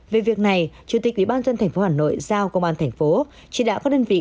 về việc này chủ tịch ủy ban dân thành phố hà nội giao công an thành phố chỉ đạo các đơn vị